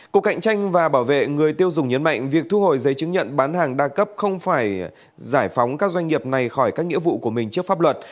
cục cạnh tranh và bảo vệ người tiêu dùng nhấn mạnh việc thu hồi giấy chứng nhận bán hàng đa cấp không phải giải phóng các doanh nghiệp này khỏi các nghĩa vụ của mình trước pháp luật